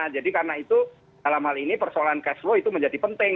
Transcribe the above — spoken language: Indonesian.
jadi karena itu dalam hal ini persoalan cash flow itu menjadi penting